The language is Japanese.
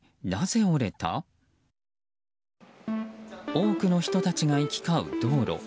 多くの人たちが行き交う道路。